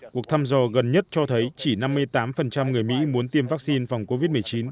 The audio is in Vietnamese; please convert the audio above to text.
cuộc thăm dò gần nhất cho thấy chỉ năm mươi tám người mỹ muốn tiêm vaccine phòng covid một mươi chín